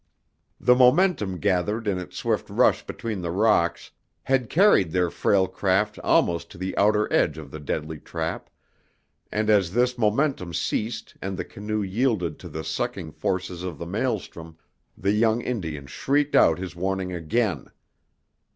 The momentum gathered in its swift rush between the rocks had carried their frail craft almost to the outer edge of the deadly trap, and as this momentum ceased and the canoe yielded to the sucking forces of the maelstrom the young Indian shrieked out his warning again.